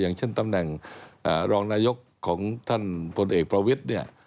อย่างเช่นตำแหน่งรองนายกของท่านพลเอกประวิทย์เนี่ย